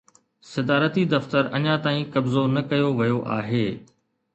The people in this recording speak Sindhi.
صدارتي دفتر اڃا تائين قبضو نه ڪيو ويو آهي